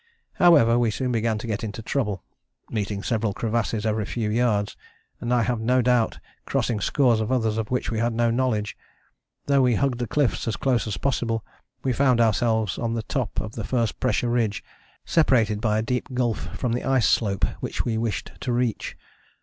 However, we soon began to get into trouble, meeting several crevasses every few yards, and I have no doubt crossing scores of others of which we had no knowledge. Though we hugged the cliffs as close as possible we found ourselves on the top of the first pressure ridge, separated by a deep gulf from the ice slope which we wished to reach.